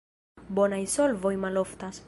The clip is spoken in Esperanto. Bonaj solvoj maloftas.